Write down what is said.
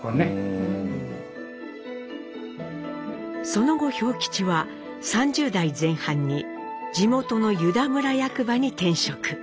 その後兵吉は３０代前半に地元の湯田村役場に転職。